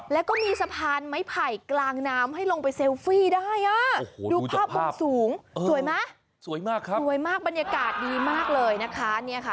แล้วก็มีสะพานไม้ไผ่กลางน้ำให้ลงไปเซลฟี่ได้ดูภาพบุคสูงสวยมากบรรยากาศดีมากเลยนะคะ